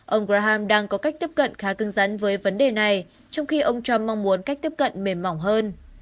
ông graham đang có cách tiếp cận khá cưng rắn với vấn đề này trong khi ông trump mong muốn cách tiếp cận mềm mỏng hơn